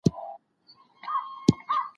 هغه مواد چي بې ځایه وو ما لیري کړل.